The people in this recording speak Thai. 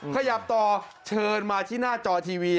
ขยับต่อเชิญมาที่หน้าจอทีวี